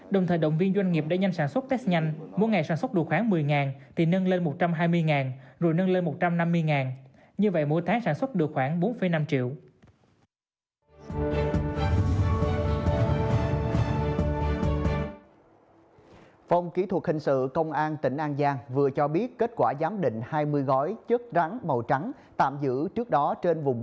đồng thời động viên doanh nghiệp đã nhanh sản xuất test nhanh mỗi ngày sản xuất được khoảng một mươi thì nâng lên một trăm hai mươi rồi nâng lên một trăm năm mươi như vậy mỗi tháng sản xuất được khoảng bốn năm triệu